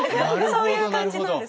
そういう感じなんです。